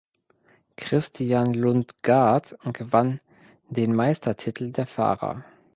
Christian Lundgaard gewann den Meistertitel der Fahrer.